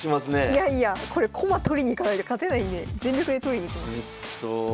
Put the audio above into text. いやいやこれ駒取りに行かないと勝てないんで全力で取りに行きます。